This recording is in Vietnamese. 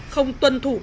không tuân thủ biển bạc